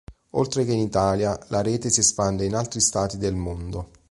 Oltre che in Italia, la rete si espande in altri stati del mondo.